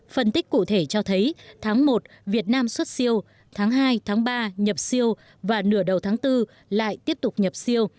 phân tích cụ thể cho thấy tháng một việt nam xuất siêu tháng hai tháng ba nhập siêu và nửa đầu tháng bốn lại tiếp tục nhập siêu